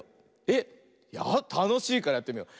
えったのしいからやってみよう。